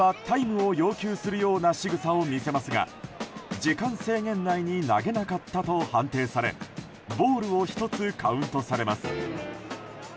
大谷はタイムを要求するようなしぐさを見せますが時間制限内に投げなかったと判定されボールを１つカウントされます。